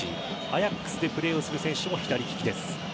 アヤックスでプレーする選手も左利き。